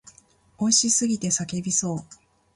美味しすぎて叫びそう。